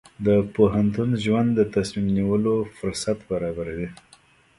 د پوهنتون ژوند د تصمیم نیولو فرصت برابروي.